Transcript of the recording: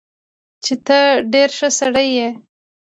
چې تۀ ډېر ښۀ سړے ئې